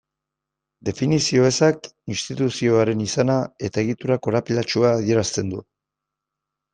Definizio ezak instituzioaren izana eta egitura korapilatsua adierazten du.